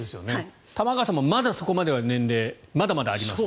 玉川さんもまだそこまで年齢まだまだあります。